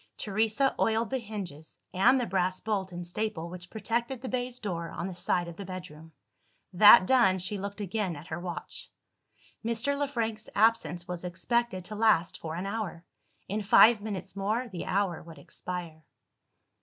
Teresa oiled the hinges, and the brass bolt and staple which protected the baize door on the side of the bedroom. That done, she looked again at her watch. Mr. Le Frank's absence was expected to last for an hour. In five minutes more, the hour would expire.